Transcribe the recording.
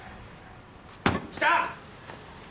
「来た！」